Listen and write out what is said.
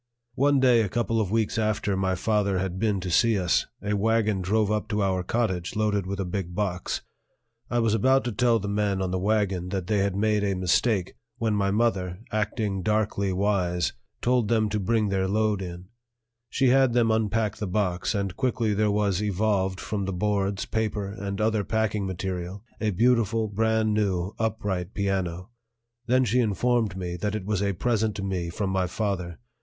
One day a couple of weeks after my father had been to see us, a wagon drove up to our cottage loaded with a big box. I was about to tell the men on the wagon that they had made a mistake, when my mother, acting darkly wise, told them to bring their load in; she had them unpack the box, and quickly there was evolved from the boards, paper, and other packing material a beautiful, brand new, upright piano. Then she informed me that it was a present to me from my father.